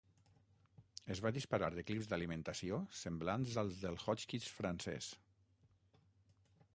Es va disparar de clips d'alimentació semblants als del Hotchkiss francès.